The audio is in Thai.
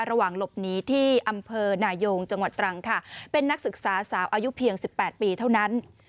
ระหว่างหลบหนีที่อำเภอนายงจังหวัดตรังค่ะเป็นนักศึกษาสาวอายุเพียง๑๘ปีเท่านั้น